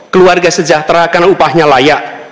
keluarga sejahtera karena upahnya layak